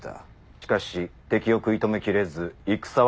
しかし敵を食い止めきれず戦は大敗を喫した。